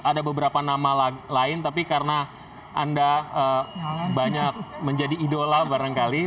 ada beberapa nama lain tapi karena anda banyak menjadi idola barangkali